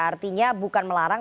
artinya bukan melarang